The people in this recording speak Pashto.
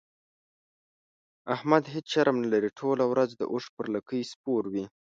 احمد هيڅ شرم نه لري؛ ټوله ورځ د اوښ پر لکۍ سپور وي.